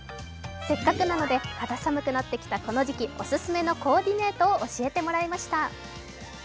せっかくなので肌寒くなってきたこの時期、オススメのコーディネートを教えてもらいました。